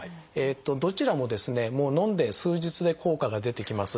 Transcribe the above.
どちらもですねのんで数日で効果が出てきます。